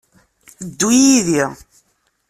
Ddu yid-i.